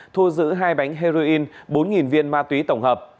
thu giữ hai bánh heroin bốn viên ma túy tổng hợp